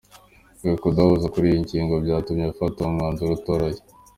Uku kudahuza kuri iyo ngingo byatumye afata uwo mwanzuro utoroshye.